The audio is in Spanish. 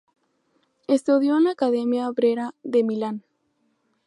Estudió en la Academia Brera de Milán.